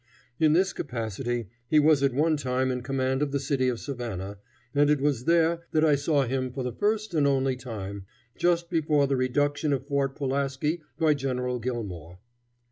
In this capacity he was at one time in command of the city of Savannah, and it was there that I saw him for the first and only time, just before the reduction of Fort Pulaski by General Gilmore.